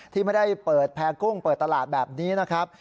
ที่ไม่ได้เปิดแพรกุ้งเปิดตลาดแบบนี้นะครับ